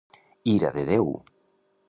Ira de Déu!